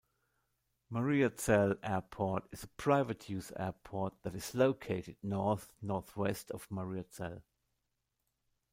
Mariazell Airport is a private use airport that is located north-northwest of Mariazell.